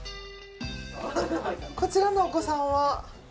こちらのお子様は？